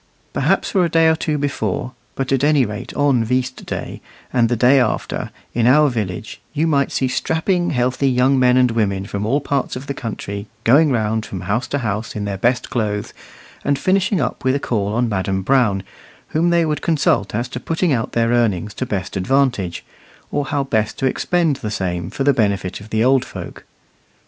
Perhaps for a day or two before, but at any rate on "veast day" and the day after, in our village, you might see strapping, healthy young men and women from all parts of the country going round from house to house in their best clothes, and finishing up with a call on Madam Brown, whom they would consult as to putting out their earnings to the best advantage, or how best to expend the same for the benefit of the old folk.